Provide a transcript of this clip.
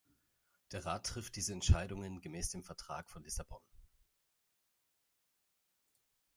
Der Rat trifft diese Entscheidungen gemäß dem Vertrag von Lissabon.